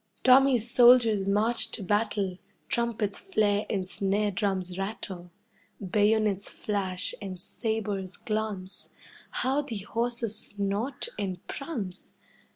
Tommy's soldiers march to battle, Trumpets flare and snare drums rattle. Bayonets flash, and sabres glance How the horses snort and prance!